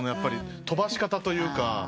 飛ばし方というか。